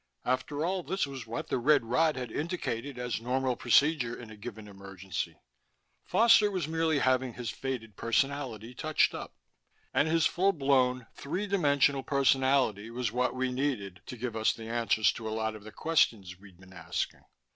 After all, this was what the red rod had indicated as normal procedure in a given emergency. Foster was merely having his faded personality touched up. And his full blown, three dimensional personality was what we needed to give us the answers to a lot of the questions we'd been asking.